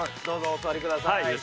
どうぞお座りください。